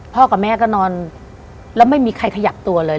กับแม่ก็นอนแล้วไม่มีใครขยับตัวเลย